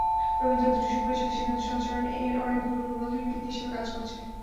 রবীন্দ্রনাথের দুটি সুপরিচিত সিদ্ধান্ত সঞ্চরণ-এর অনেকগুলো প্রবন্ধের ভিত্তি হিসেবে কাজ করেছে।